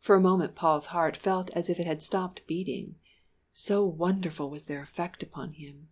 For a moment Paul's heart felt as if it had stopped beating, so wonderful was their effect upon him.